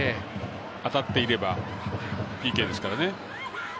当たっていればＰＫですからね。